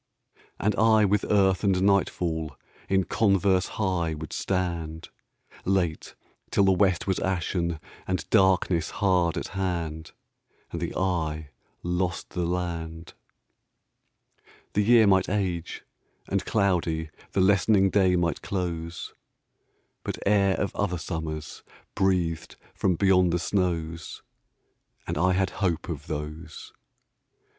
And I with earth and nightfall In converse high would stand, Late, till the west was ashen And darkness hard at hand, And the eye lost the land. The year might age, and cloudy The lessening day might close, But air of other summers Breathed from beyond the snows, And I had hope of those.